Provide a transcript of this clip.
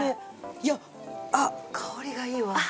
いやあっ香りがいいわ。